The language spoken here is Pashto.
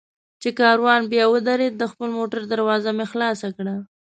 چې کاروان بیا ودرېد، د خپل موټر دروازه مې خلاصه کړه.